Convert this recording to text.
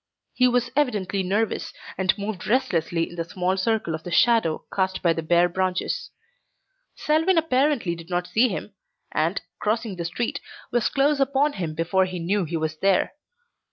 He was evidently nervous and moved restlessly in the small circle of the shadow cast by the bare branches. Selwyn apparently did not see him, and, crossing the street, was close upon him before he knew he was there.